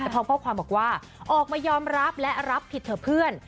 พร้อมข้อความบอกว่าออกมายอมรับและรับผิดเถอะเพื่อน